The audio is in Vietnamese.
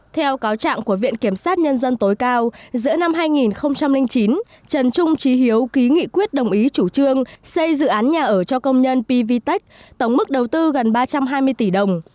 theo cáo trạng của viện kiểm sát nhân dân tối cao giữa năm hai nghìn chín trần trung trí hiếu ký nghị quyết đồng ý chủ trương xây dự án nhà ở cho công nhân pvtec tổng mức đầu tư gần ba trăm hai mươi tỷ đồng